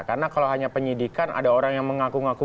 karena kalau hanya penyidikan ada orang yang mengaku ngaku